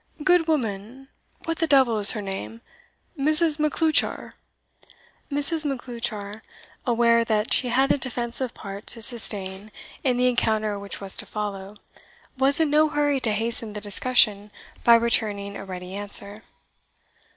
"Good woman, what the d l is her name? Mrs. Macleuchar!" Mrs. Macleuchar, aware that she had a defensive part to sustain in the encounter which was to follow, was in no hurry to hasten the discussion by returning a ready answer.